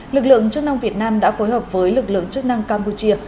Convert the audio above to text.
lực lượng chức năng việt nam đã phối hợp với lực lượng chức năng campuchia